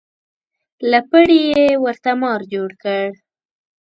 له پړي یې ورته مار جوړ کړ.